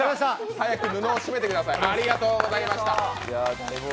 早く布を閉めてください。